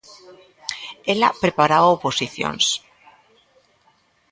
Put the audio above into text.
Ela preparaba oposicións.